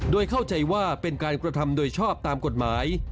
โดยเข้าใจว่าเป็นการกระทำโดยชอบตามกฎหมาย